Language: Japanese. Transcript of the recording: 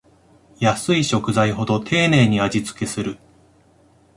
安い食材ほど丁寧に味つけする